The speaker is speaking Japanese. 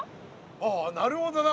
ああなるほどな。